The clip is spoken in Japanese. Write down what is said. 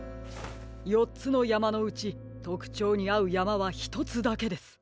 よっつのやまのうちとくちょうにあうやまはひとつだけです。